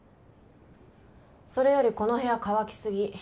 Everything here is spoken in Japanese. それよりこの部屋乾きすぎ。